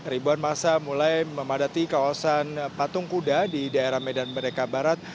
ribuan masa mulai memadati kawasan patung kuda di daerah medan merdeka barat